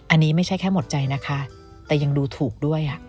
อันนี้ไม่ใช่แค่หมดใจนะคะแต่ยังดูถูกด้วย